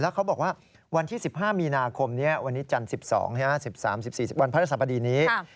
แล้วเขาบอกว่าวันที่๑๕มีนาคมวันนี้จันทร์๑๒๑๓๑๔วันพระศัพท์ประดีนี้